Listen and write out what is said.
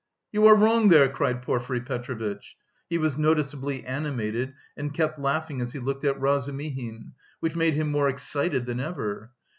"You are wrong there," cried Porfiry Petrovitch; he was noticeably animated and kept laughing as he looked at Razumihin, which made him more excited than ever.